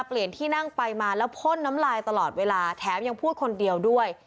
เปลี่ยนที่นั่งไปมาแล้วพ่นน้ำลายตลอดเวลาแถมยังพูดคนเดียวด้วย